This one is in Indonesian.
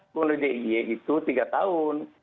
menurut diy itu tiga tahun